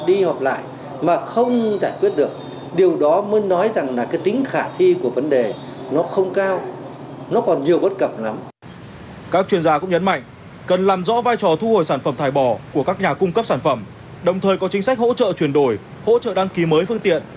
đồng thời có chính sách hỗ trợ chuyển đổi hỗ trợ đăng ký mới phương tiện